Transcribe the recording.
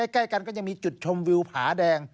ใกล้กันก็ยังมีจุดชมวิวผาแดง